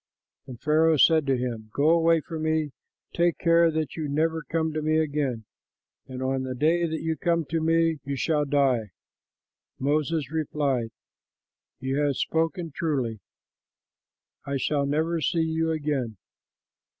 And Pharaoh said to him, "Go away from me; take care that you never come to me again; for on the day that you come to me you shall die." Moses replied, "You have spoken truly, I shall never see you again."